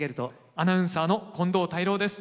アナウンサーの近藤泰郎です。